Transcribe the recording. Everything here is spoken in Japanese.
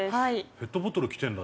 ペットボトル着てるんだ？